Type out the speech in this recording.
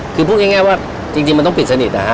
คือพูดง่ายว่าจริงมันต้องปิดสนิท